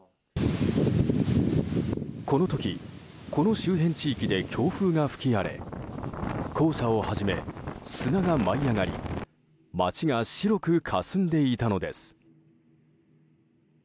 この時、この周辺地域で強風が吹き荒れ黄砂をはじめ砂が舞い上がり街が白くかすんでいたのです。